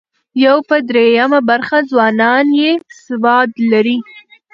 یو پر درېیمه برخه ځوانان یې سواد لري.